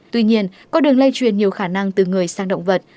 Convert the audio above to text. tuy nhiên con đường lây truyền nhiều khả năng từ người sang động vật